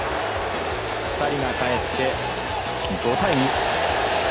２人がかえって５対２。